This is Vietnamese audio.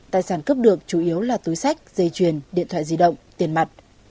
tài sản cướp được chủ yếu là túi sách dây chuyền điện thoại di động tiền mặt